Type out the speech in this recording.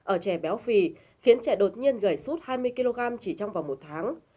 ở trẻ béo phì khiến trẻ đột nhiên gãy suốt hai mươi kg chỉ trong vòng một tháng